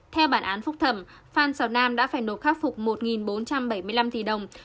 theo bản án phúc thẩm phan xào nam đã phải nộp khắc phục một bốn trăm bảy mươi năm tỷ đồng